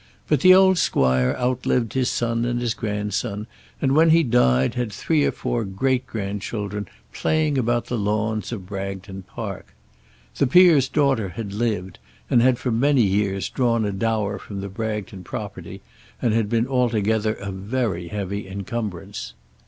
But the old squire outlived his son and his grandson, and when he died had three or four great grandchildren playing about the lawns of Bragton Park. The peer's daughter had lived, and had for many years drawn a dower from the Bragton property, and had been altogether a very heavy incumbrance.